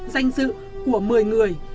danh dự của một mươi người